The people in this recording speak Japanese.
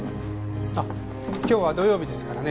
あっ今日は土曜日ですからね。